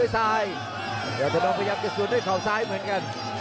แทรกลงไปแล้วนะ